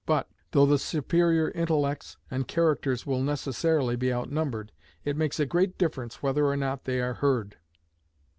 But, though the superior intellects and characters will necessarily be outnumbered, it makes a great difference whether or not they are heard.